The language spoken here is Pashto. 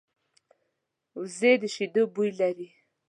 وزې د شیدو بوی لري